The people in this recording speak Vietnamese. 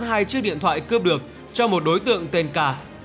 hai chiếc điện thoại cướp được cho một đối tượng tên ca